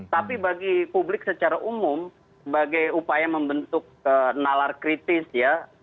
tapi bagi publik secara umum sebagai upaya membentuk nalar kritis ya